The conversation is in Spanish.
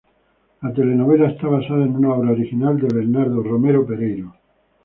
La telenovela está basada en una obra original de Bernardo Romero Pereiro.